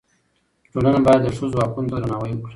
ټولنه باید د ښځو حقونو ته درناوی وکړي.